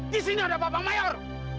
di sini ada babang mayor